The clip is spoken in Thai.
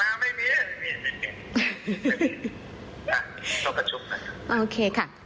รอไว้ในการประชุมอ๋อไม่มี